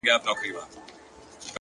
• ډېر پخوا چي نه موټر او نه سایکل وو ,